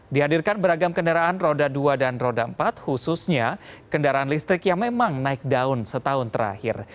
dihadirkan beragam kendaraan roda dua dan roda empat khususnya kendaraan listrik yang memang naik daun setahun terakhir